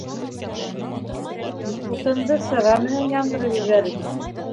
Утынды сыра менән яндырып ебәрегеҙ